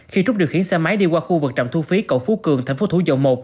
khi trúc điều khiển xe máy đi qua khu vực trạm thu phí cầu phú cường tp thủ dầu một